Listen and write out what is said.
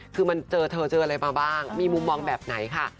คือมันเจอเธอเจออะไรมาบ้างมีมุมมองแบบไหนค่ะ